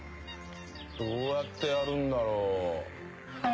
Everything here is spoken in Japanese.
どうやってやるんだろう？